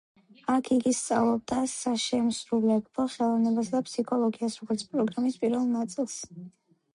აქ იგი სწავლობდა საშემსრულებლო ხელოვნებასა და ფსიქოლოგიას, როგორც პროგრამის პირველ ნაწილს.